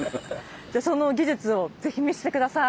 じゃあその技術を是非見せて下さい。